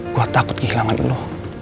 gue takut kehilangan lo